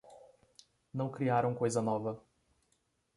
Não criaram coisa nova.